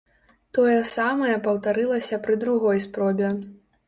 Тое самае паўтарылася пры другой спробе.